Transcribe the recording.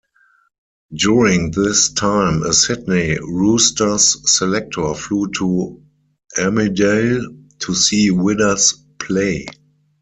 During this time a Sydney Roosters selector flew to Armidale to see Widders' play.